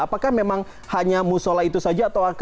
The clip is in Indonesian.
apakah memang hanya musola itu saja atau ada tempat tempat lainnya